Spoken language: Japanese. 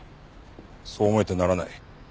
そう思えてならない。